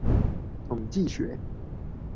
統計學